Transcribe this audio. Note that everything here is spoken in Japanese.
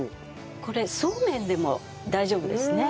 これそうめんでも大丈夫ですね。